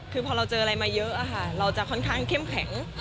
คือพอเราเจออะไรมาเยอะเราจะค่อนข้างเข้มแข็ง